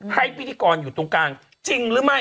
พิธีกรอยู่ตรงกลางจริงหรือไม่